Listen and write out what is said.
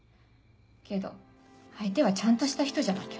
けど相手はちゃんとした人じゃなきゃ。